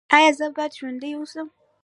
ایا زه باید ژوندی اوسم؟